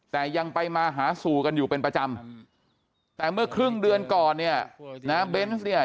แต่ยังไปมาหาสู่กันอยู่เป็นประจำแต่เมื่อครึ่งเดือนก่อนเนี่ยนะเบนส์เนี่ย